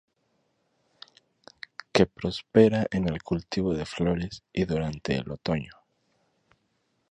Que prospera en el cultivo de flores y durante el otoño.